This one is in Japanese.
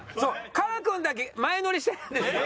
かーくんだけ前乗りしてるんですよ。